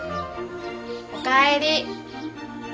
おかえり。